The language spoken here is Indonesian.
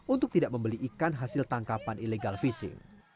untuk tidak membeli ikan hasil tangkapan ilegal visi